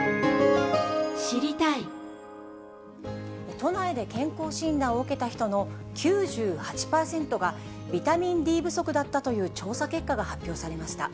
都内で健康診断を受けた人の９８％がビタミンＤ不足だったという調査結果が発表されました。